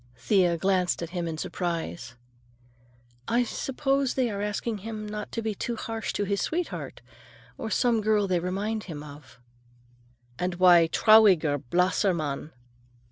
Thea glanced at him in surprise. "I suppose he thinks they are asking him not to be harsh to his sweetheart—or some girl they remind him of." "And why _trauriger, blasser Mann?